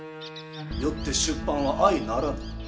よって出版はあいならぬ。